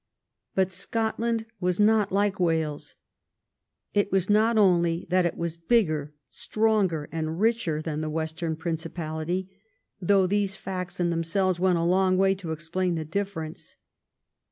But Scotland was not like Wales. It was not only that it was bigger, stronger, and richer than the western Principality, though these facts in themselves went a long way to explain the difference.